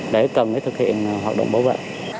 để cần thực hiện hoạt động bảo vệ